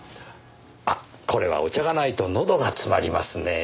あっこれはお茶がないとのどが詰まりますねぇ。